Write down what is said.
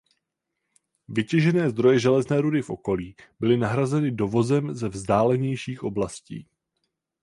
Vytěžené zdroje železné rudy v okolí byly nahrazeny dovozem ze vzdálenějších oblastí.